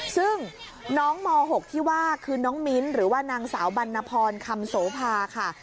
ซึ่งน้องม๖ที่ว่าคือน้องมิ้นหรือว่านางสาวบรรณพรคำโสภาค่ะ